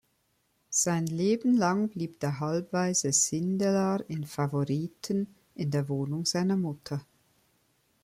Sein Leben lang blieb der Halbwaise Sindelar in Favoriten, in der Wohnung seiner Mutter.